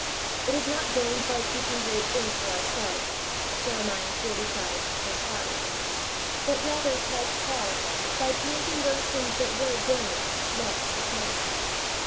It is not gained by seeking great things for our SPIRITUAL LEADERSHIP. 37 selves (Jer. 45: 5), but rather, like Paul, by counting those things that were gain, loss for Christ.